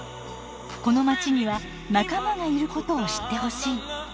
このまちには仲間がいることを知ってほしい。